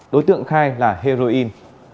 đối tượng khai là heroin